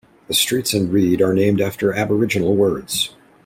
The streets in Reid are named after aboriginal words.